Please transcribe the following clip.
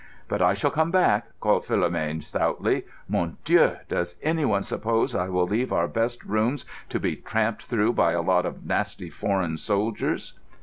"But I shall come back," called Philomène stoutly. "Mon Dieu, does anyone suppose I will leave our best rooms to be tramped through by a lot of nasty foreign soldiers!"